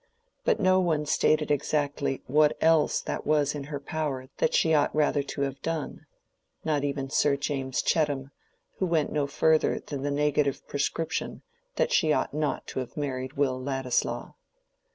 But no one stated exactly what else that was in her power she ought rather to have done—not even Sir James Chettam, who went no further than the negative prescription that she ought not to have married Will Ladislaw.